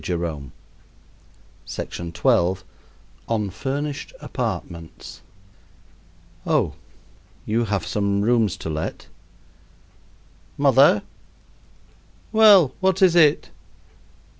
Let us eat, drink, and be merry. ON FURNISHED APARTMENTS. "Oh, you have some rooms to let." "Mother!" "Well, what is it?"